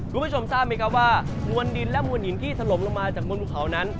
คุณผู้ชมทราบไหมว่ามวลดินและมวลหินที่ตลมลงมาจากบริเวณเกาะนั้น